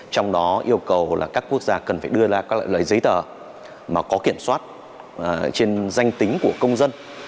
trong đó yêu cầu là các quốc gia cần phải đưa ra các loại giấy tờ mà có kiểm soát trên danh tính của công dân